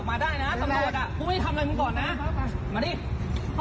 ออกมาได้นะตำรวจกูไม่ทำอะไรคือเกราะนี้นะ